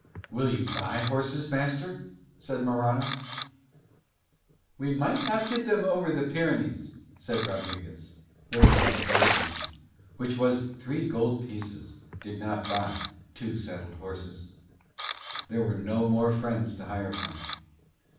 "Will you buy horses, master?" said Morano. "We might not get them over the Pyrenees," said Rodriguez, though he had a better reason, which was that three gold pieces did not buy two saddled horses. There were no more friends to hire from.